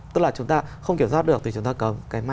tức là chúng ta không kiểm soát được thì chúng ta cấm